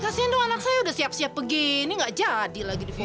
kasian dong anak saya udah siap siap begini nggak jadi lagi di foto